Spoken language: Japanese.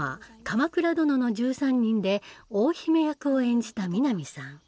「鎌倉殿の１３人」で大姫役を演じた南さん。